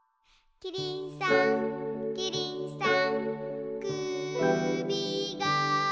「キリンさんキリンさん」